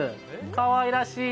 かわいらしい。